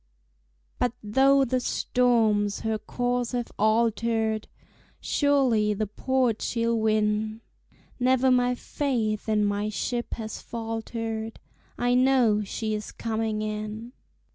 But though the storms her course have altered, Surely the port she'll win; Never my faith in my ship has faltered, I know she is coming in.